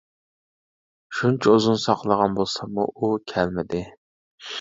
شۇنچە ئۇزۇن ساقلىغان بولساممۇ ئۇ كەلمىدى.